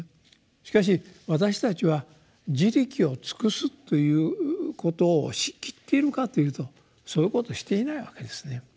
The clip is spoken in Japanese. しかし私たちは「自力を尽くす」ということをしきっているかというとそういうことをしていないわけですね。